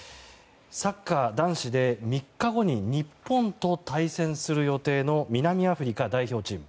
サッカー男子で３日後に日本と対戦する予定の南アフリカ代表チーム。